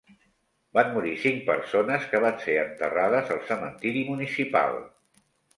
Van morir cinc persones que van ser enterrades al cementiri municipal.